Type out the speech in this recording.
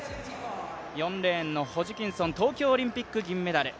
４レーンのホジキンソン東京オリンピック銀メダル。